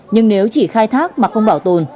nhưng nếu chỉ khai thác mà không bảo tồn